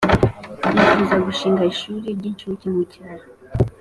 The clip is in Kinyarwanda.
yifuza gushinga ishuri ry incuke mu cyaro